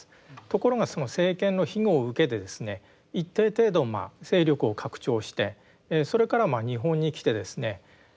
ところがその政権の庇護を受けてですね一定程度勢力を拡張してそれから日本に来てですね